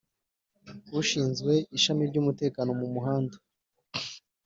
Ushinzwe ishami ry’umutekano mu muhanda